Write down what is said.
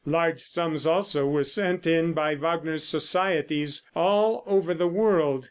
Large sums also were sent in by Wagner societies all over the world.